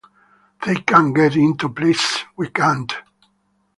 They can get into places we can't.